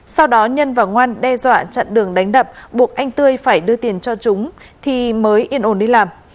sau đó nhân và ngoan đe dọa chặn đường đánh đập buộc anh tươi phải đưa tiền cho chúng thì mới yên ổn đi làm